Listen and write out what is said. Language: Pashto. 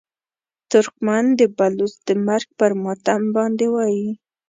ترکمن د بلوڅ د مرګ پر ماتم باندې وایي.